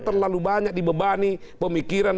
terlalu banyak dibebani pemikiran